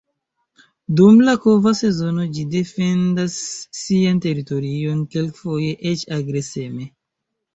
Dum la kova sezono ĝi defendas sian teritorion, kelkfoje eĉ agreseme.